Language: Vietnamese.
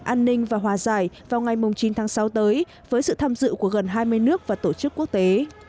an ninh và hòa giải vào ngày chín tháng sáu tới với sự tham dự của gần hai mươi nước và tổ chức quốc tế